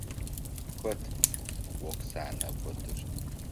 Хэт Оксанэ готыр?